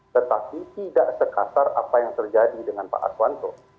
tetapi tidak sekasar apa yang terjadi dengan pak aswanto